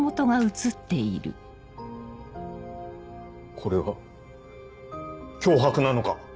これは脅迫なのか？